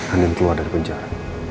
andin keluar dari penjara